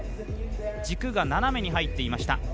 軸が斜めに入っていました。